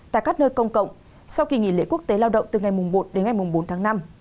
tại các nơi công cộng sau kỳ nghỉ lễ quốc tế lao động từ ngày một đến ngày bốn tháng năm